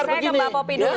saya ke mbak popi dulu